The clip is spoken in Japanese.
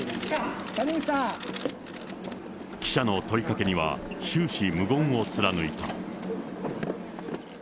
記者の問いかけには終始無言を貫いた。